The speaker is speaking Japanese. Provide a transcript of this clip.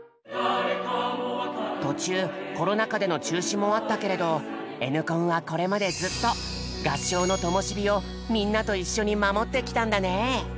途中コロナ禍での中止もあったけれど「Ｎコン」はこれまでずっと合唱のともし火をみんなと一緒に守ってきたんだね。